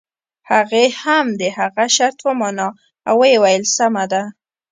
هغې هم د هغه شرط ومانه او ويې ويل سمه ده.